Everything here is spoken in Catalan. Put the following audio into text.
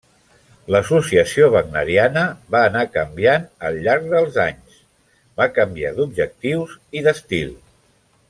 L’Associació Wagneriana va anar canviant al llarg dels anys; va canviar d’objectius i d’estil.